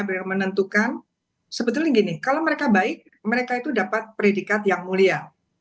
beliau menentukan sebetulnya gini kalau mereka baik mereka itu dapat predikat yang mulia